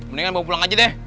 mendingan mau pulang aja deh